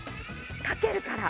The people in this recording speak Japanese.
かけるから。